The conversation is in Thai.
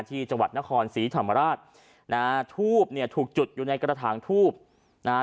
ที่จังหวัดนครศรีธรรมราชนะฮะทูบเนี่ยถูกจุดอยู่ในกระถางทูบนะฮะ